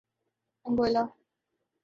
Anguilla